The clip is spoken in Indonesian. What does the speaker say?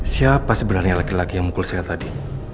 siapa sebenarnya laki laki yang mukul sehat tadi